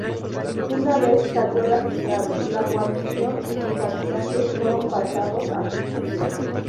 Una vez cayó la ciudad, la guarnición y sus habitantes fueron pasados a cuchillo.